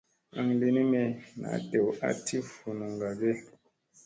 Aŋ lini me naa dew a ti vunuŋga ge ?